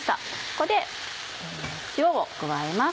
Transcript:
ここで塩を加えます。